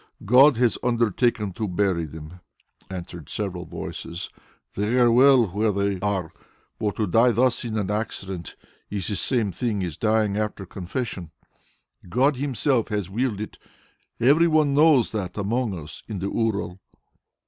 God has undertaken to bury them," answered several voices. "They are well where they are, for to die thus in an accident is the same thing as dying after confession. God Himself has willed it. Every one knows that among us in the Ural."